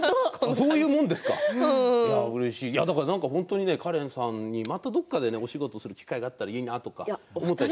だから本当にカレンさんにまたどこかでお仕事する機会があったらいいなと思っています。